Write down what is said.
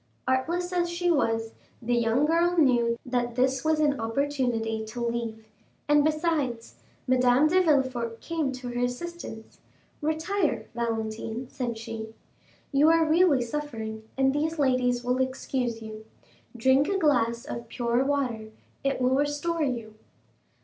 Artless as she was, the young girl knew that this was an opportunity to leave, and besides, Madame de Villefort came to her assistance. "Retire, Valentine," said she; "you are really suffering, and these ladies will excuse you; drink a glass of pure water, it will restore you."